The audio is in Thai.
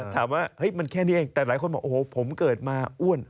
ถามว่ามันแค่นี้เองแต่หลายคนบอกโอ้โหผมเกิดมาอ้วน